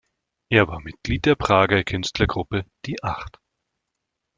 Er war Mitglied der Prager Künstlergruppe "Die Acht".